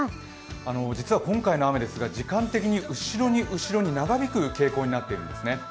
実は今回の雨ですが、時間的に後ろに後ろに長引く傾向になっているんですね。